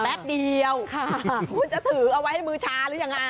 เดียวคุณจะถือเอาไว้ให้มือชาหรือยังไง